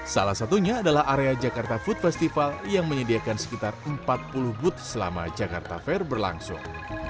salah satunya adalah area jakarta food festival yang menyediakan sekitar empat puluh booth selama jakarta fair berlangsung